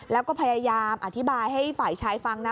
แล้วก็พยายามอธิบายให้ฝ่ายชายฟังนะ